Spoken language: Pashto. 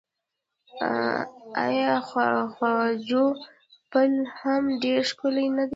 آیا خواجو پل هم ډیر ښکلی نه دی؟